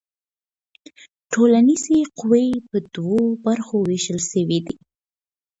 ټولنیزې قوې په دوو برخو ویشل سوي دي.